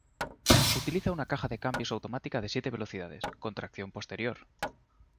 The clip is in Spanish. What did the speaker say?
Utiliza una caja de cambios automática de siete velocidades, con tracción posterior.